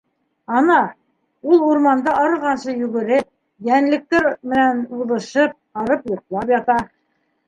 Ана, ул урманда арығансы йүгереп, йәнлектәр менән уҙышып, арып йоҡлап ята.